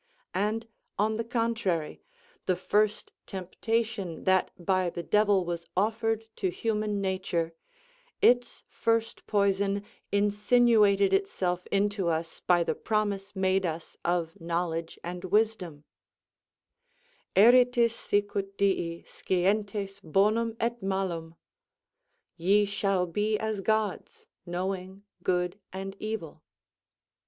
And, on the contrary, the first temptation that by the devil was offered to human nature, its first poison insinuated itself into us by the promise made us of knowledge and wisdom; Eritis sicut Dii, scientes bonum et malum. "Ye shall be as gods, knowing good and evil."